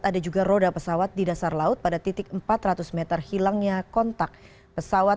ada juga roda pesawat di dasar laut pada titik empat ratus meter hilangnya kontak pesawat